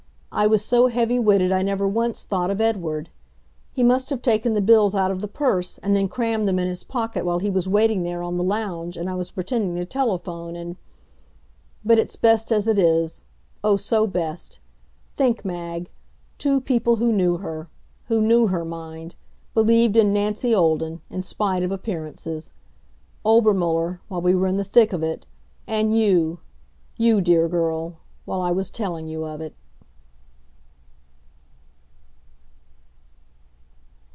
I was so heavy witted I never once thought of Edward. He must have taken the bills out of the purse and then crammed them in his pocket while he was waiting there on the lounge and I was pretending to telephone and But it's best as it is oh, so best! Think, Mag! Two people who knew her who knew her, mind believed in Nancy Olden, in spite of appearances: Obermuller, while we were in the thick of it, and; you, you dear girl, while I was telling you of it.